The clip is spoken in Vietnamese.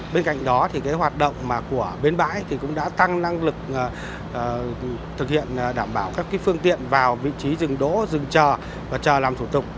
bên cạnh đó hoạt động của bên bãi cũng đã tăng năng lực thực hiện đảm bảo các phương tiện vào vị trí rừng đỗ rừng trờ và trờ làm thủ tục